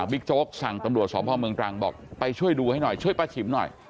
โจ๊กสั่งตำรวจสอบพ่อเมืองตรังบอกไปช่วยดูให้หน่อยช่วยป้าฉิมหน่อย